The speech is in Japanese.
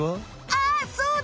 ああそうだ！